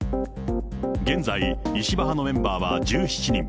現在、石破派のメンバーは１７人。